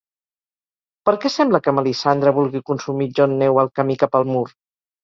Per què sembla que Melissandre vulgui consumir Jon Neu al camí cap al mur?